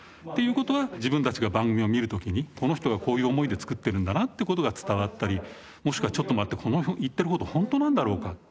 っていう事は自分たちが番組を見る時にこの人がこういう思いで作ってるんだなって事が伝わったりもしくはちょっと待ってこの言ってる事本当なんだろうか？